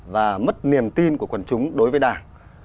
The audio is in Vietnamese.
và mất niềm tin của quần chúng đối với đảng